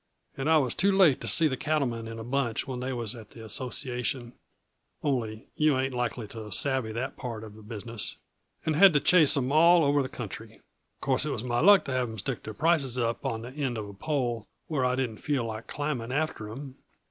And I was too late to see the cattlemen in a bunch when they was at the Association only you ain't likely to savvy that part uh the business and had to chase 'em all over the country. Uh course it was my luck to have 'em stick their prices up on the end of a pole, where I didn't feel like climbing after 'em.